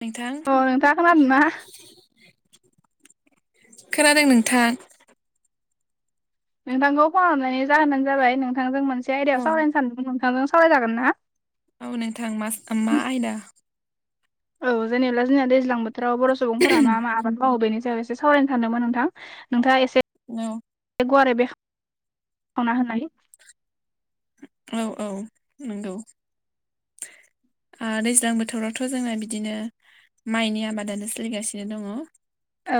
नोंथां। अ नोंथाङा खोनादों ना खोनादों नोंथां? नोंथांखौ फन हरनाय जाहोनानो जाबाय नोंथांजों मोनसे औ आयदायाव सावरायनो सानदोंमोन नोंथांजों। सावराय जागोन ना? औ नोंथां मास मा आयदा? औ जेनेब्ला जोंहा दैज्लां बोथोराव बर' सुबुंफोरा मा-मा आबाद मावो बेनि सायाव एसे सावरायनो सानदोंमोन नोंथां नोंथाङा एसे औ [inaudible] गुवारै बेखेवना होनाय। औ-औ नंगौ। आ दैज्लां बोथोरावथ' जोंना बिदिनो माइनि आबादानो सोलिगासिनो दङ'। औ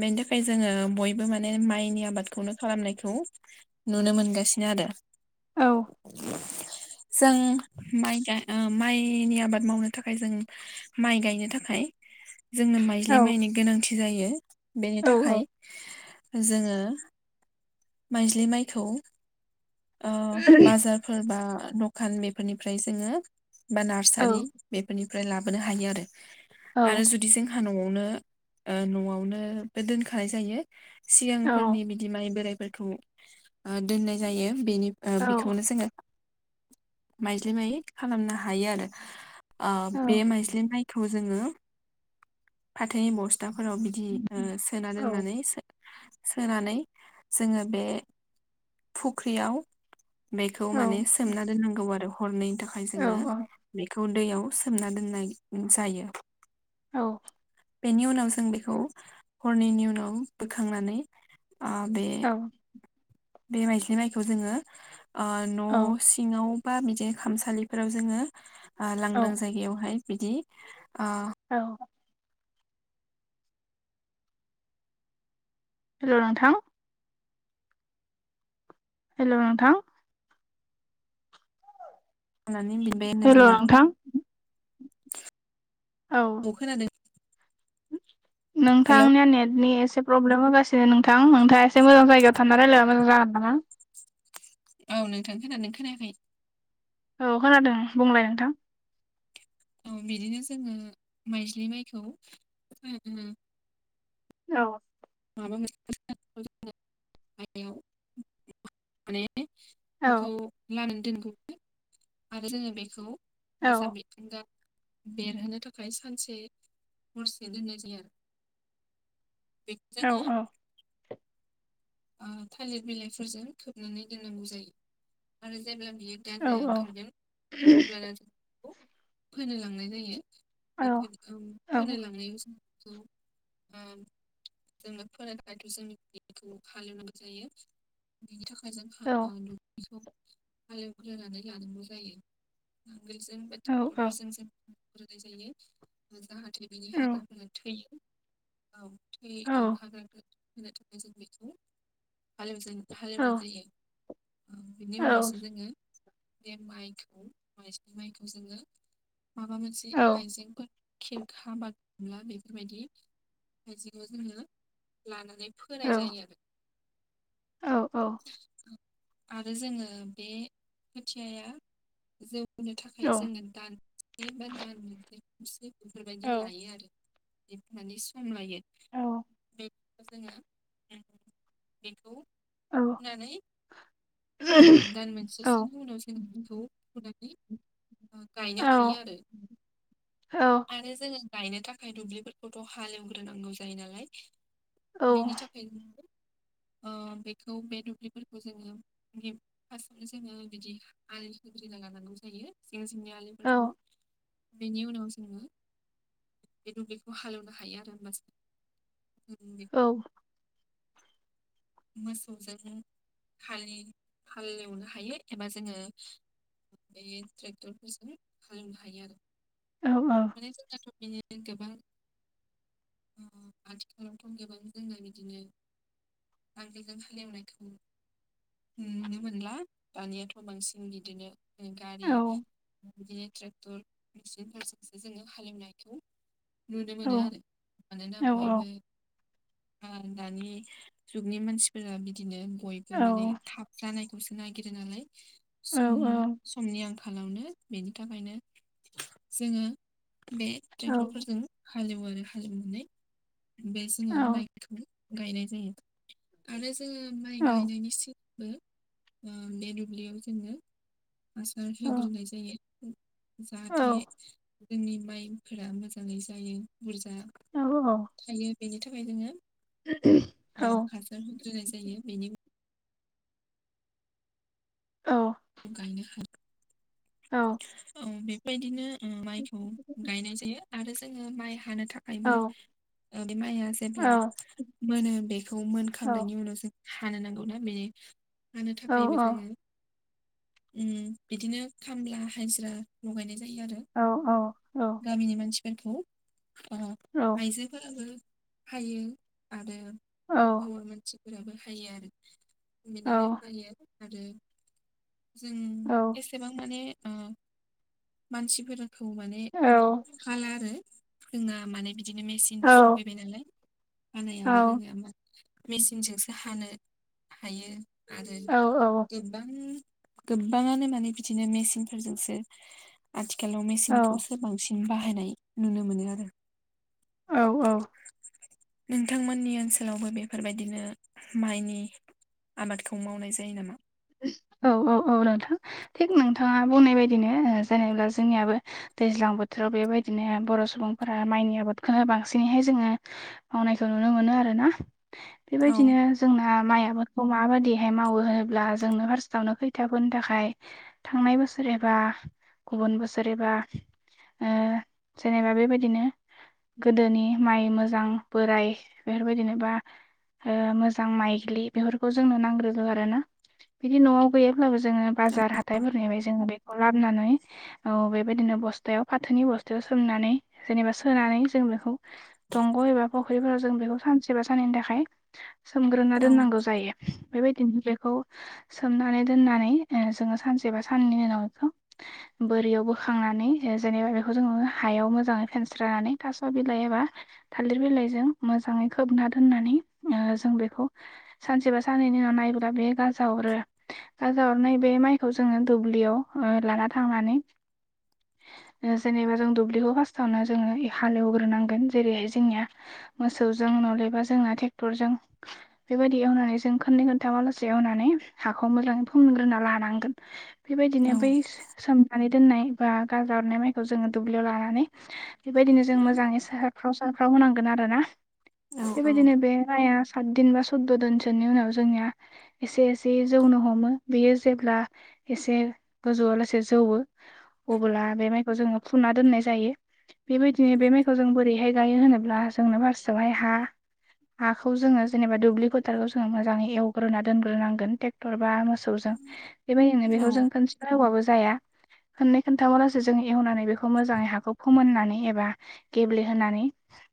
बेनि थाखाय जोङो बयबो माने माइनि आबादखौनो खालामनायखौ नुनो मोनगासिनो आरो। औ जों माइ ए ओ माइनि आबाद मावनो थाखाय जों माइ गायनो थाखाय जोंनो औ माइज्लि माइनि गोनांथि जायो बेनि औ औ थाखाय जोङो माइज्लि माइखौ ओ बाजारफोर बा दखान बेफोरनिफ्राय जोङो बा औ नार्सारि बेफोरनिफ्राय लाबोनो हायो आरो औ आरो जुदि जोंहा न'आवनो ओ न'आवनो दोनखानाय जायो औ सिगांफोरनि बिदि माइ बोराइ फोरखौ ओ दोननाय जायो बेनि औ बेखौनो जोङो माइज्लि माय खालामनो हायो आरो आ औ बे माइज्लि माइखौ जोङो फाथोनि बस्थाफोराव बिदि ओ सोना औ दोननानै सोनानै जोङो बे फुख्रियाव बेखौ माने सोमना दोननांगौ आरो हरनैनि थाखाय जोङो औ बेखौ। उन्दैयाव सोमना दोननाय नों जायो। औ। बेनि उनाव जों बेखौ हरनैनि उनाव बोखांनानै आ बे। औ बे माइज्लि माइखौ जोंङो ओ न' सिङाव। बा बिदि खामसालिफोराव जोंङो आ औ लांदां जायगायावहाय बिदि। आं। औ हेलौ नोंथां। हेलौ नोंथां। होनानै बिबाय होननाय हेल जायो नोंथां। औ खोनादों। हेलौ नोंथांनिया नेटनि एस। एसे प्रब्लेम होगासिनो नोंथां नोंथांङा एसे मोजां जायगायाव थाना रायलायबा मोजां जागोन नामा। औ नोंथां खोनादों ना खोनायाखै। औ खोनादों बुंलाय नोंथां। औ बिदिनो जोंङो माइज्लि माइखौ। औ। माबा मोनसेे [inaudible] [inaudible] ए औ बेखौ लानानै दोनगौमोन आरो जोंङो बेखौ। औ बसामि ह [unintelligible] बेरहोनो थाखाय सानसे हरसे दोननाय जायो आरो। [inaudible] औ औ। ओ थालिर बिलाइफोरजों खोबनानै दोननांगौ जायो आरो जेब्ला। बियो औ दाजाया ओंखारगोन अब्ला ना जों बेखौ फोनो लांनाय औ औ जायो। [unintelligible] [unintelligible] हालेवनांगौ जायो बिनि थाखाय जों औ हालौ। इसखौ हालौग्रोनानै लानांगौ जायो। औ [unintelligible] ग्रोनाय जायो जाहाथे बिनि हाग्राफोरा थैयो औ। हाग्रा होनो थाखाय जों बेखौ हव औ हालेवनाय जायो [unintelligible] ओ बिनि उनावसो औ जोंङो बे माइखौ माइज्लि माइखौ जोंङो। माबा मोनसे औ औ आइजेंफोर। खेरखा बा गामला बेफोरबायदि आइजेंखौ जोंङो लाना। नै औ फोनाय औ जायो। आरो औ औ। आरो जोंङो बे खोथियाया जों। फोनो औ थाखाय जोंङो दान मोनसे बा दान मोननैसो बेफोरबायदि औ लायो आरो। बिब माने सम लायो। औ जोंङो बेखौ होननानै। ओ दान मोनसेसोनि उनाव जों बेखौ फोनानै। ओ गायनो हायो आरो आरो जों। गायनो थाखायथ दुब्लिफोरखौथ हालेवग्रोनांगौ जायो नालाय। औ। न [unintelligible] ओ बेखौ बे दुब्लिफोरखौ जोंङो बि फार्टआवनो जोंङो बिदि आलि खो। खोथेना लानांगौ जायो जे जोंनि आलिफोरखौ। बेनि उनाव जोंङो बे दुब्लिखौ हालेवनो हायो आरो होमबासो। ह बे [unintelligible] मोसौजों हालि हाल एवनो हायो एबा जोंङो। बे ट्रेक्टरफोरजों खालामनो हायो आरो। माने जोंनि गोबां आथिखालावथ' गोबां जोंना बिदिनो नांगोलजों हालेवनायखौ नुनो मोनला। दानियाथ' बांसिन बिदिनो गारि दि ट्रेक्टर [unintelligible] [inaudible] जोङो हालेवनायखौ नुनो मोनोआरो। मानोना बयबो दानि जुगनि मानसिफोरा बिदिनो बयबो माने थाब जानाय। सो नागिरो नालायनि समनि आंखाल खालामनो बेनि थाखायनो जोङो बे ट्रेक्टरफोरजों हालेवो। आरो हालेवनानै बे जोङो माइखौ गायनाय जायो। आरो जोङो माइ गायनायनि सि बे दुब्लियाव जोङो हासार होग्रोनाय जायो। जाहाथे जोंनि माइफोरा मोजाङै जायो। बुरजा औ औ थायो। बेनि थाखाय जोङो ओ औ हासार होग्रोनाय जायो। बेनि औ। गायनो हायो। औ। औ। ओ बेफोरबायदिनो माइखौ गायनाय जायो। आरो जोङो माइ हानो थाखाय औ थाखायबो माइआ औ जेब्ला मोनो बेखौ औ मोनखांनायनि उनाव जों हानो नांगौ ना बेनि हानो औ थाखायबो जोङो उम बिदिनो खामला, हाजिरा लगायनाय जायो आरो। औ औ गामिनि मानसिफोरखौ ओ आइजोफोराबो हायो। आरो हवा मानसिफोराबो हायो आरो बिदिनो फायो। आरो जों एसेबां माने ओ मानसिफोरखौ माने खााला आरो जोंना माने बिदिनो मेचिन औ सफैबाय नालाय। हानायाबो जोंनिया मा मेचिनजोंसो हानो हायो। आरो गोबां गोबाङानो माने बिदिनो मेचनफोरजोंसो आथिखाल आथिखालाव मेसिनखौसो बांसिन बाहायनाय नुनो मोनो आरो औ औ। नोंथांमोननि ओनसोलावबो बेफोरबायदिनो माइनि आबादखौ मावनाय जायो नामा? औ औ औ नोंथां थिक नोंथाङा बुंनाय बायदिनो। जेनेा जोंनियाबो दैज्लां बोथोराव बेबायदिनो बर' सुबुंफोरा माइनि आबादखौनो बांसिनैहाय जोङो मावनायखौ नुनो मोनो। बेनो आरो ना। औ बेबायदिनो जों म आ म बाय मावो होनोबा जोंनो फार्स्टावनो खैथाबोनो थाखाय थांनाय बोसोर एबा गुबुन बोसोर एबा जेनेबा बेबायदिनो। गोदोनि माइ मोजां बोराय बेफोरबायदिनोबा मोजां माइग्लि बेफोरखौ जोंनो नांग्रो आरो ना। बिदि न'आव गैयाबब्लाबो जोङो बाजार हाथथायफोरनिफ्राय जोङो बेखौ लाबोनानै बेबायदिनो बस्थु बस्थायाव फाथोनि बस्थायाव सोमनानै जेनेबा सोनानै जों बेखौ दंग' एबा फख्रिफोराव जों बेखौ सानसेबा साननैनि थाखाय सोमग्रोना औ दोननांगौ जायो। बेबायदिनो बेखौ सोमनानै दोननानै जोङो ओ सानसे बा सानननि उनावखौ बोरियाव बोखांनानै जेबा बेखौ ज हायाव मोजाङै फेनस्रनानै थास' बिलाइ एबा थालिर बिलाइजों मोजां मोजाङै खोबना दोननानै जों बेखौ सानसेबा साननैनि उनाव नायोब्ला बे गाजाआव अरो। गाजा हरनाय बे माइखौ जोङो दुब्लियाव लाना थांनानै ओ जेनेबा जों दुब्लिखौ फार्स्टावनो जोङो हालेवग्रोनांगोन जेरैहाय जोंनिया मोसौजों नलेबा जोंना टेक्टरजों बेबायदि एवनानै जों खोननै खोनथाव आलासे एवनानै हाखौ मोजाङै फोमोनग्रोना लानांगोन बेबायदिनो औ बै सोमनानै दोननाय बा गाजा हरनाय माइखौ जोङो दुब्लियाव लानानै बेबायदिनो जों मोजाङै साहाफ्राव सारफ्राव होनांगोन आरोना औ बेबायदिनो बे माइआ सात दिन बा सुद' दनसोनि उनाव जोंनिया एसे से जौनो हमो बेयो जेब्ला एसे गोजौआ लासे जौवो अबोला बे माइखौ जोङो फुना दोननाय जायो बेबायदिनो बे माइखौ जों बोरैहाय गायो होनोब्ला जोंनो फारस्तआवहाय हा हाखौ जोङो जेनेबा दुब्लि फोथारखौ जोङो मोजाङै एवग्रोना दोनग्रोनांगोन। टेक्टर बा मोसौजों बेबायदिनो बेखौ जों खोनसेल' एवबाबो जाया। खोननै खोनथामालासे जों एवनानै बेखौ मोजाङै हाखौ फोमोननानै एबा गेब्लेहोनानै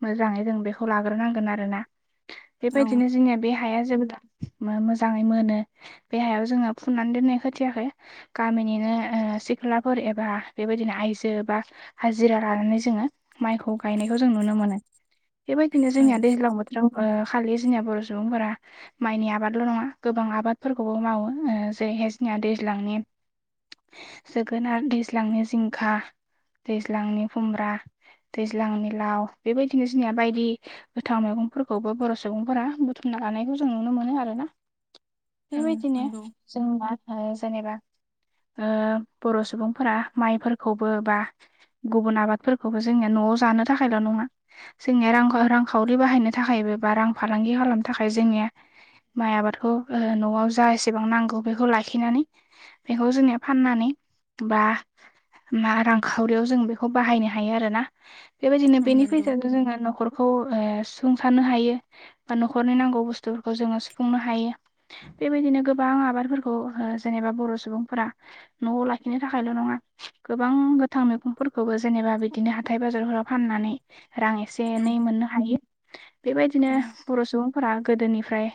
मोजाङै जों बेखौ लाग्रोनांगोन आरोना। बेबायदिनो जोंनिया बे हाया जोबोद मोजाङै मोनो। बे हायाव जोङो फुननानै दोननाय खोथियाखो गामिनिनो ओ सिख्लाफोर एबा बेबाय दिनो आइजो बा हाजिरा लानानै जोङो माइखौ गायनायखौ जों नुनो मोनो। [inaudible] बेबायदिनो जोंनिया दैज्लां बोथोराव ओ खालि जोंनिया बर' सुबुंफोरा माइनि आबादल' नङा गोबां आबाद फोरखौबो मावो ओ जेरैहाय जोंनिया दैज्लांनि जोगोनार, दैज्लांनि जिंखा, दैज्लांनि खुमब्रा, दैज्लांनि लाव बेबायदिनो जोंनिया बायदि गोथां मैगंफोरखौबो बर' सुबुंफोरा बुथुम लानायखौ जों नुनो मोनो आरो ना। [inaudible] बेबायदिनो नंगौ जों मा होनो जेनेबा ओ बर' सुबुंफोरा माइफोरखौबो बा गुबुन आबादफोरखौबो जोंनिया न'आव जानो थाखायल' नङा जोंनिया रां रां रांखावरि बाहायनो थाखाय बा रां फालांगि खालामनो थाखाय जोंनि माइ आबादखौ ओ न' न'आव जा एसेबां नांगौ बेखौ लाखिनानै बेखौ जोंनिया फाननानै बा मा रांखावरियाव जों बेखौ बाहायनो हायो आरो ना बेबायदिनो औ बेनि नंगौ फैसाजों जोङो न'खर खौ ओ सुफुंसारनो हायो बा न'खरनि नांगौ बुस्थुफोरखौ जोङो सुफुंनो हायो। बेबायदिनो गोबां आबादफोरखौ ओ जेनेबा बर' सुबुंफोरा न'आव लाखिनो थाखायल' नङा। गोबां गोथां मैगंफोरखौबो जेनेबा बिदिनो हाथाय बाजारफोराव फाननानै रां एसे औ एनै मोननो हायो बेबायदिनो औ बर' सुबुं फोरा गोदोनिफ्राय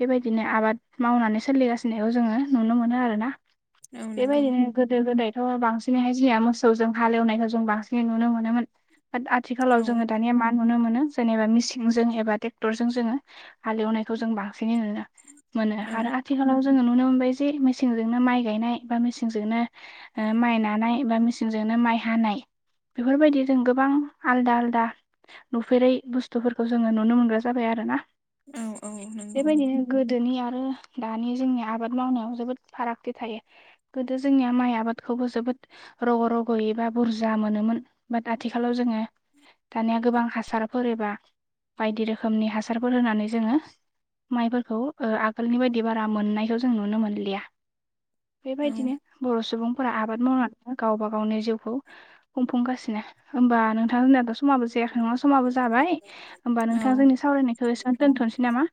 बेबायदिनो आबाद मावनानै सोलिगासिनोखौ जोङो नुनो मोनो आरोना औ नंगौ बेबायदिनो गोदो गोदाय थ' बांसिनैहाय जिया मोसौजों हालेवनायखौ जों बांसिनै नुनो मोनोमोन। आथिखालाव औ जोङो दानिया मा नुनो मोनो जेनेबा मिसिनजों एबा टेक्टरजों जोङो हालेवनायखौ जों बांसिनै नुनो मोनो औ आरो आथिखालाव जोङो नुनो मोनबाय जे मेसिंजोंनो माइ गायनाय बा मिसिंजोंनो ओ माइ नानाय एबा मेसिंजोंनो माइ हानाय। बेफोरबायदि जों गोबां आलदा आलदा नुफेरै बुस्थुफोरखौ जोङो नुनो मोनग्रा जाबाय आरो ना। औ औ नोंगौ। गोदोनि आरो दानि जोंनिया आबाद मावनायाव जोबोद फारागथि थायो गोदो जोंनिया माइ आबादखौ खौबो जोबोद रग' रग'यैबा बुरजा मोनोमोन बाट आथिखालाव जोङो दानिया गोबां हासारफोर एबा बायदि रोखोमनि हासारफोर होनानै जोङो माइफोरखौ ओ आगोलनि बायदि बारा मोननायखौ जों नुनो मोनलिया। औ बेबायदिनो बर' सुबुंफोरा आबाद मावनानैनो गावबा गावनि जिउखौ खुंफुंगासिन नो होनबा नोंथां होननाथ' समाबो जायाखै नङा समाबो जाबाय होमबा नोंथाङा औ जोंनि सावरायनायखौ एसेब दोन्थ'नोसै नामा?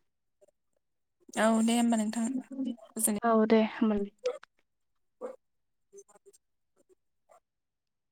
औ दे होनबा नोंथां गोजोनाय औ दे होमबालाय। [inaudible]